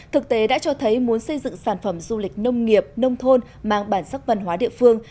thực tế đã cho thấy muốn xây dựng sản phẩm du lịch nông nghiệp nông thôn mang bản sắc văn hóa địa phương